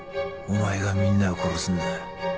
お前がみんなを殺すんだ。